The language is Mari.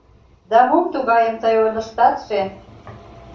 — Да мом тугайым тый ойлыштатше?